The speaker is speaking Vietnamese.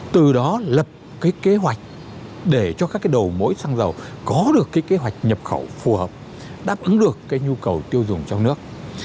từ đó lập cái kế hoạch để cho các cái đầu mối xăng dầu có được cái kế hoạch nhập khẩu phù hợp đáp ứng được cái nhu cầu tiêu dùng trong nước